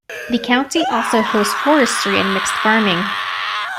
The county also hosts forestry and mixed farming.